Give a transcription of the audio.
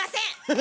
え？